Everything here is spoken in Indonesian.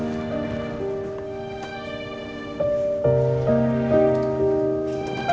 terima kasih nino